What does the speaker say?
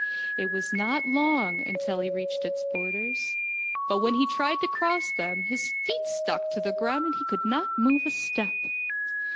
It was not long until he reached its borders, 110 FAIRY TALES but when he tried to cross them his feet stuck to the ground and he could not move a step.